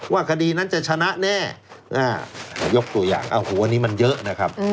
คดีนั้นจะชนะแน่ยกตัวอย่างโอ้โหวันนี้มันเยอะนะครับ